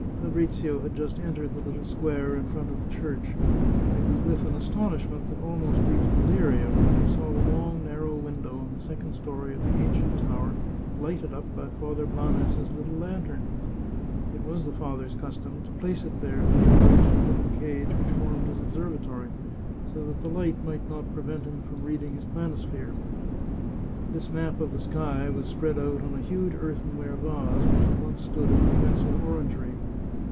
Fabrizio had just entered the little square in front of the church. It was with an astonishment that almost reached delirium that he saw the long, narrow window on the second story of the ancient tower lighted up by Father Blanes's little lantern. It was the father's custom to place it there when he went up to the wooden cage which formed his observatory, so that the light might not prevent him from reading his planisphere. This map of the sky was spread out on a huge earthenware vase, which had once stood in the castle orangery.